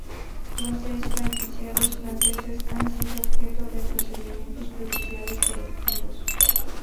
Los seis franquiciados franceses han sido objeto de procedimientos judiciales colectivos.